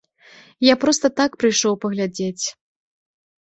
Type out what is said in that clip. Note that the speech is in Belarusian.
Я проста так прыйшоў паглядзець.